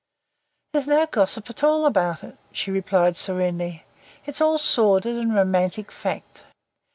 "There's no gossip at all about it," she replied serenely. "It's all sordid and romantic fact.